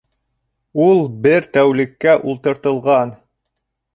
Ул бер тәүлеккә ултыртылған!